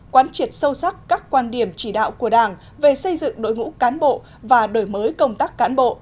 quán triệt sâu sắc các quan điểm chỉ đạo của đảng về xây dựng đội ngũ cán bộ và đổi mới công tác cán bộ